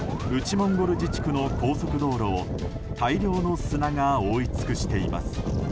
モンゴル自治区の高速道路を大量の砂が覆い尽くしています。